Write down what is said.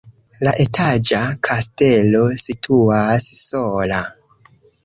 La etaĝa kastelo situas sola.